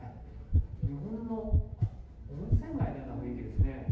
日本の温泉街のような雰囲気ですね。